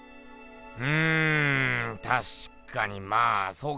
うんたしかにまあそうか。